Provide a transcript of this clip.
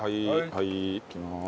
はいいきます。